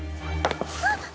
あっ！